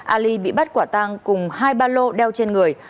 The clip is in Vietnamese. ali bị bắt quả tang cùng hai ba lô đeo trên người